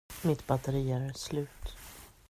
Mitt batteri är slut.